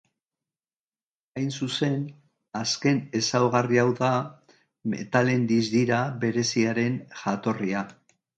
Hain zuzen, azken ezaugarri hau da metalen distira bereziaren jatorria.